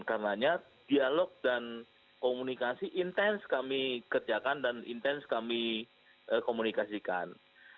karenanya dialog dan komunikasi intens kami kerjakan dan intens kami komunikasikan